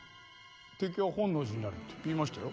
敵は本能寺にありって言いましたよ。